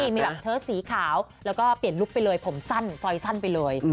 มีแบบเชิดสีขาวแล้วก็เปลี่ยนลุคไปเลยผมสั้นซอยสั้นไปเลย